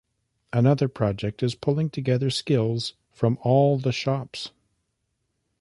Another project is pulling together skills from all the shops.